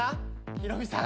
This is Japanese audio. ヒロミさん